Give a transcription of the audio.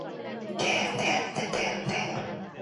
부르짖으며 징을 빼앗아 들고 꽝꽝 치면서 잡이꾼 속으로 뛰어들었다.